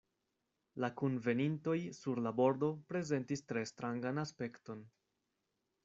La kunvenintoj sur la bordo prezentis tre strangan aspekton.